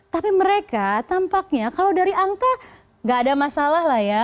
tapi mereka tampaknya kalau dari angka gak ada masalah lah ya